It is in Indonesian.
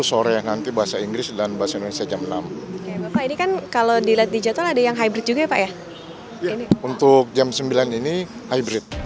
untuk jam sembilan ini hybrid